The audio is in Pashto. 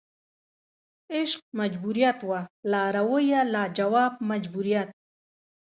عشق مجبوریت وه لارویه لا جواب مجبوریت